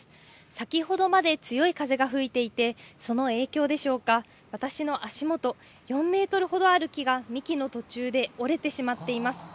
先ほどまで強い風が吹いていてその影響でしょうか私の足元４ｍほどある木が幹の途中で折れてしまっています。